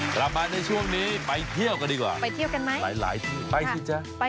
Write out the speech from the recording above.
กลับมาในช่วงนี้ไปเที่ยวกันดีกว่าไปเที่ยวกันไหมหลายหลายที่ไปสิจ๊ะ